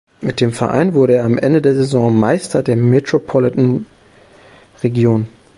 Mit dem Verein wurde er am Ende der Saison Meister der Metropolitan Region.